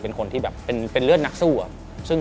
เป็นคนที่แบบเป็นเลือดนักสู้อะ